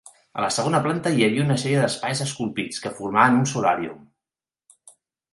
A la segona planta hi havia una sèrie d'espais esculpits que formaven un solàrium.